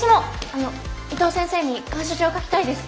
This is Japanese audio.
あの伊藤先生に感謝状書きたいです。